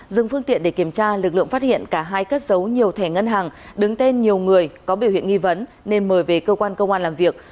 dừng phương tiện để kiểm tra lực lượng phát hiện cả hai cất giấu nhiều thẻ ngân hàng đứng tên nhiều người có biểu hiện nghi vấn nên mời về cơ quan công an làm việc